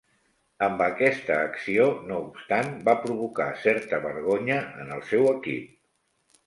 Amb aquesta acció, no obstant, va provocar certa vergonya en el seu equip.